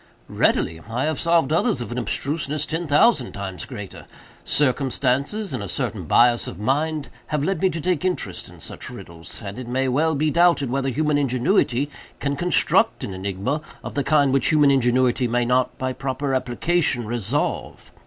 "Readily; I have solved others of an abstruseness ten thousand times greater. Circumstances, and a certain bias of mind, have led me to take interest in such riddles, and it may well be doubted whether human ingenuity can construct an enigma of the kind which human ingenuity may not, by proper application, resolve.